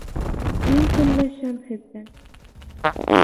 Мин көнләшәм һеҙҙән.